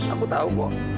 aku tau kok